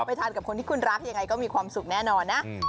ไปทานกับคนที่คุณรักยังไงก็มีความสุขแน่นอนนะ